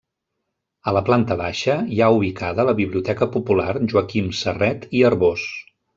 A la planta baixa hi ha ubicada la Biblioteca Popular Joaquim Sarret i Arbós.